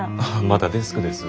まだデスクです。